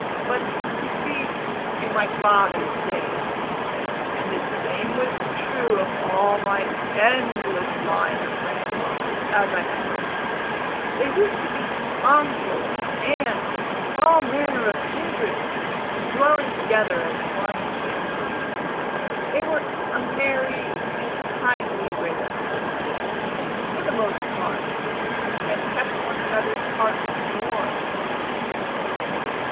But, you see, in my father's days (and the same was true of all my endless line of grandfathers, as I have heard), there used to be uncles, aunts, and all manner of kindred, dwelling together as one family. They were a merry and kindly race of people, for the most part, and kept one another's hearts warm."